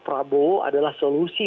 pak prabowo adalah solusi